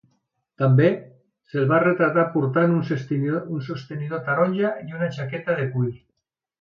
També se'l va retratar portant un sostenidor taronja i una jaqueta de cuir.